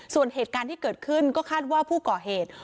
ส่วนเหตุการณ์ที่เกิดขึ้นก็คาดว่าผู้ก่อเหตุ